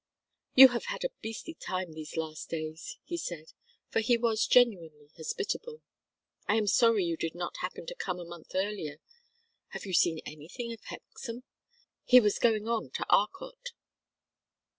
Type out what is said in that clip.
"You have had a beastly time these last days," he said, for he was genuinely hospitable. "I am sorry you did not happen to come a month earlier. Have you seen anything of Hexam? He was going on to Arcot."